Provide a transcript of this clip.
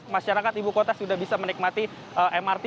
dua ribu sembilan belas masyarakat ibu kota sudah bisa menikmati mrt